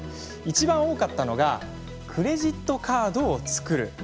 一番多かったのがクレジットカードを作る。